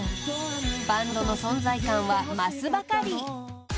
［バンドの存在感は増すばかり］